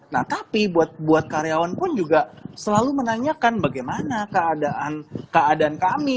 nah tapi buat karyawan pun juga selalu menanyakan bagaimana keadaan kami